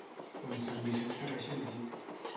Quan Sant Vicent abaixi el dit.